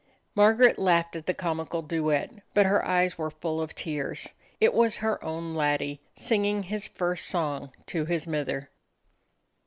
Mar garet laughed at the comical duet, but her eyes were full of tears. It was her own laddie, singing his first song to his mither.